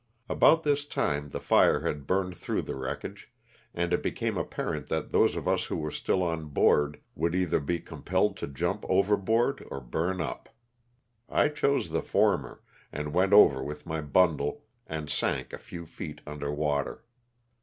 About this time the fire had burned through the wreckage, and it became apparent that those of us who were still on board would either be compelled to jump overboard or burn up. I chose the former, and went over with my bundle and sank a few feet under water.